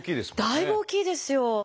だいぶ大きいですよ！